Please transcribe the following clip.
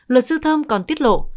luật sư thơm còn tiết lộ